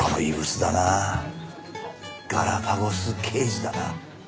ガラパゴス刑事だな。